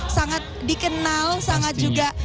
sangat dikenal sangat juga